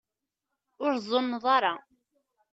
Ur tzunneḍ ara.